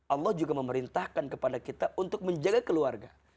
allah juga memerintahkan kepada kita untuk menjaga keluarga